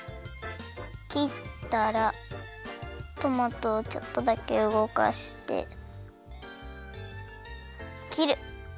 トマトをちょっとだけうごかしてきる！